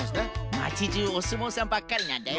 まちじゅうおすもうさんばっかりなんだよ。